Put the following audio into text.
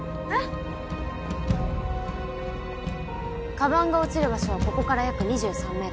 カバンが落ちる場所はここから約２３ｍ。